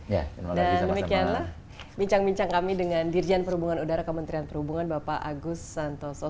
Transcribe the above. dan demikianlah bincang bincang kami dengan dirjen perhubungan udara kementerian perhubungan bapak agus santoso